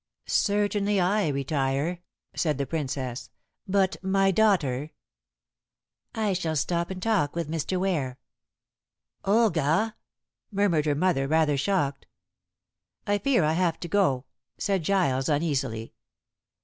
"Certainly I retire," said the Princess. "But my daughter " "I shall stop and talk with Mr. Ware." "Olga!" murmured her mother, rather shocked. "I fear I have to go," said Giles uneasily.